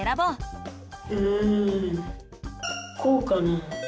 うんこうかな？